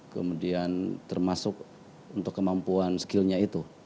kemudian termasuk untuk kemampuan skillnya itu